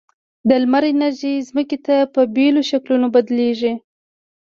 د لمر انرژي ځمکې ته په بېلو شکلونو بدلیږي.